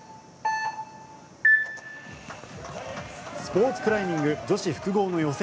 スポーツクライミング女子複合の予選